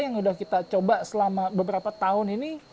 yang sudah kita coba selama beberapa tahun ini